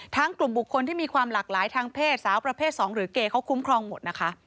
กลุ่มบุคคลที่มีความหลากหลายทางเพศสาวประเภท๒หรือเกเขาคุ้มครองหมดนะคะ